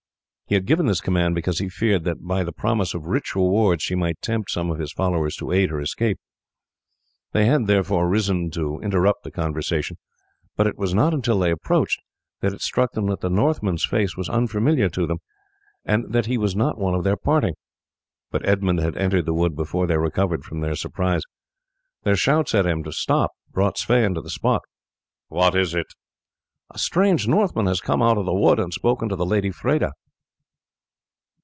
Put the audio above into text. He had given this command because he feared, that by the promise of rich rewards she might tempt some of his followers to aid her escape. They had, therefore, risen to interrupt the conversation, but it was not until they approached that it struck them that the Northman's face was unfamiliar to them, and that he was not one of their party, but Edmund had entered the wood before they recovered from their surprise. Their shouts to him to stop brought Sweyn to the spot. "What is it?" he asked. "A strange Northman has come out of the wood, and spoken to the lady Freda."